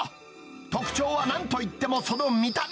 特徴はなんといってもその見た目。